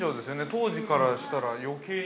当時からしたら、余計に◆